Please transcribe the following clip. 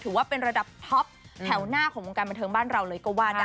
ถือว่าเป็นระดับท็อปแถวหน้าของวงการบันเทิงบ้านเราเลยก็ว่าได้